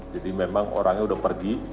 jadi memang orangnya udah pergi